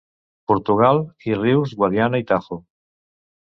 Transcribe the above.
Portugal i rius Guadiana i Tajo.